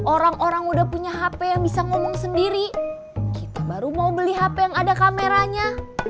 orang orang udah punya hp yang bisa ngomong sendiri kita baru mau beli hp yang ada kameranya